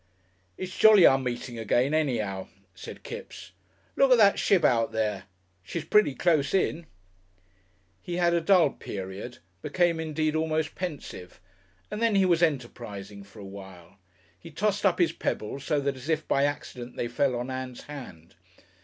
"It's jolly our meeting again, anyhow," said Kipps. "Look at that ship out there. She's pretty close in...." He had a dull period, became indeed almost pensive, and then he was enterprising for a while. He tossed up his pebbles so that as if by accident they fell on Ann's hand.